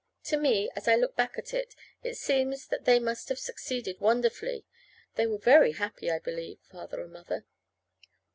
To me, as I look back at it, it seems that they must have succeeded wonderfully. They were very happy, I believe Father and Mother.